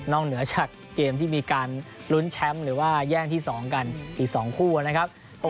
เหนือจากเกมที่มีการลุ้นแชมป์หรือว่าแย่งที่๒กันอีก๒คู่นะครับ